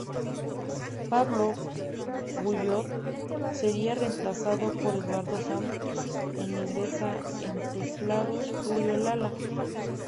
Pablo Guyot sería reemplazado por Eduardo Sanz e ingresa en teclados Julio Lala.